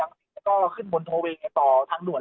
และก็ขึ้นบนทวงเป็นต่อทางนวล